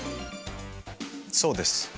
そうです。